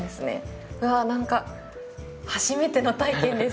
うわー何か初めての体験です。